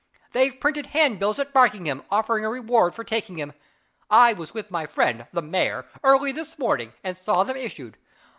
"They've printed handbills at Barkingham, offering a reward for taking him. I was with my friend the mayor, early this morning, and saw them issued. 'Mr.